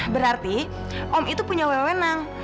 berarti om itu punya wewenang